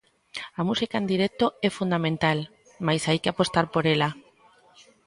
A música en directo é fundamental, mais hai que apostar por ela.